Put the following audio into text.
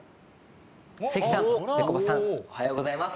関さん、ぺこぱさんおはようございます。